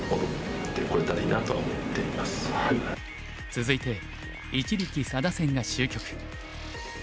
続いて一力・佐田戦が終局。